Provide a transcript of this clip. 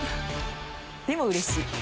でもうれしい。